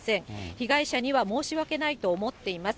被害者には申し訳ないと思っています。